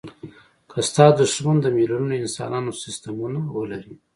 که ستا دوښمن د میلیونونو انسانانو سستمونه ولري.